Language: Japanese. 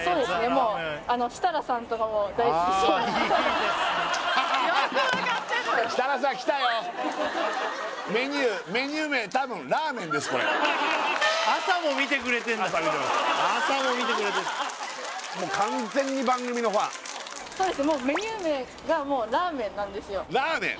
もうメニュー名がもうラーメンなんですよラーメン？